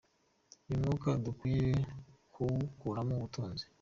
Uyu mwuga dukwiye kuwukuramo ubutunzi